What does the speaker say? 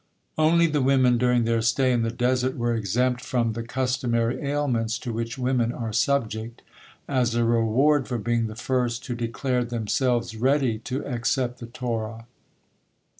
Only the women, during their stay in the desert, were exempt from the customary ailments to which women are subject, as a reward for being the first who declared themselves ready to accept the Torah.